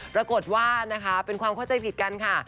ปรากฏว่านะคะเป็นความเข้าใจผิดกันค่ะ